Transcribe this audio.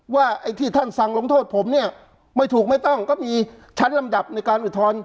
ไอ้ที่ท่านสั่งลงโทษผมเนี่ยไม่ถูกไม่ต้องก็มีชั้นลำดับในการอุทธรณ์